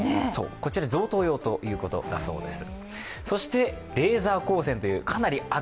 こちら贈答用ということだそうです。